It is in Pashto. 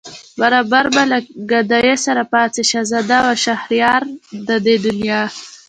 برابر به له گدايه سره پاڅي شهزاده و شهريار د دې دنیا